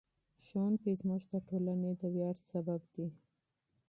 ښوونکي زموږ د ټولنې د ویاړ سبب دي.